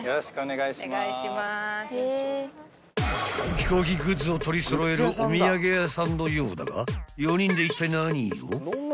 ［飛行機グッズを取り揃えるお土産屋さんのようだが４人でいったい何を？］